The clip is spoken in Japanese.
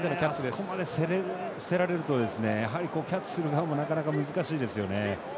そこまで競られるとやはりキャッチする側もなかなか難しいですよね。